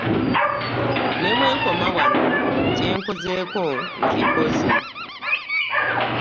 Ne bwe nkoma wano kye nkozeeko nkikoze.